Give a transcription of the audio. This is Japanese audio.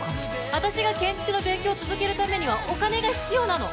私が建築の勉強を続けるためにはお金が必要なの！